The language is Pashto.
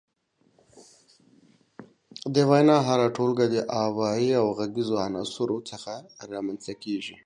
د وينا هره ټولګه د اوايي او غږيزو عناصرو څخه رامنځ ته کيږي.